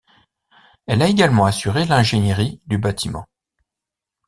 Elle a également assuré l’ingénierie du bâtiment.